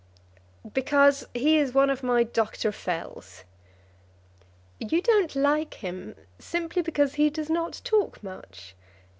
"Because he is one of my Dr. Fells." "You don't like him simply because he does not talk much.